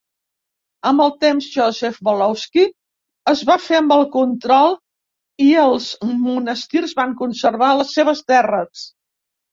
Amb el temps, Joseph Volotsky es va fer amb el control i els monestirs van conservar les seves terres.